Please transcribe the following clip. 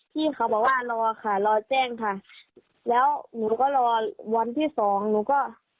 พี่เขาบอกว่ารอค่ะรอแจ้งค่ะแล้วหนูก็รอวันที่สองหนูก็